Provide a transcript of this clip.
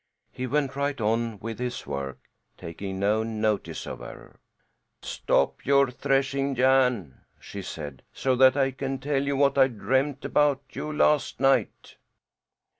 He went right on with his work, taking no notice of her. "Stop your threshing, Jan!" she said, "so that I can tell you what I dreamed about you last night."